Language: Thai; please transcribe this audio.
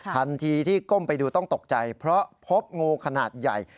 ทันทีที่ก้มไปดูต้องตกใจเพราะพบงูขนาดใหญ่